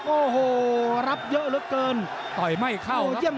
โอ้โหรับเยอะเริ่มเกิน